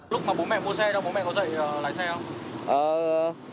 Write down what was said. lúc mà bố mẹ mua xe đó bố mẹ có dạy lái xe không